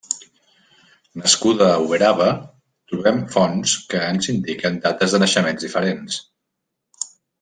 Nascuda a Uberaba, trobem fonts que ens indiquen dates de naixements diferents.